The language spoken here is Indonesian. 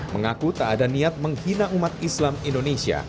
mengaku tak ada niat menghina umat islam indonesia